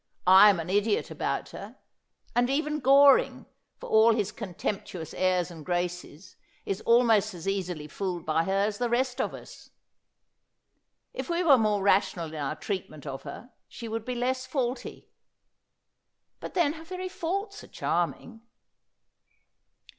I am an idiot about her ; and even Goring, for all his contemptuous airs and graces, is almost as easily fooled by her as the rest of us. If we were more rational in our treat ment of her, she would be less faulty. But then her very faults are charming.'